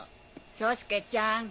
宗介ちゃん。